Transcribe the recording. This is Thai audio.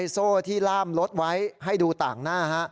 โซ่ที่ล่ามรถไว้ให้ดูต่างหน้า